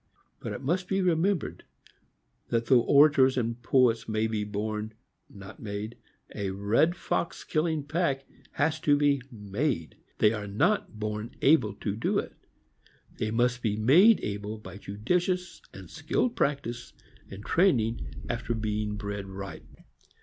But be it remembered, that though orators and poets may be born, not made, a red fox killing pack has to be made; they are not born able to do it. They must be made able by judicious and skilled practice and training after being bred right.